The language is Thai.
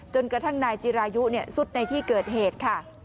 จนกระทั่งนายจิรายุสุดในที่เกิดเหตุค่ะ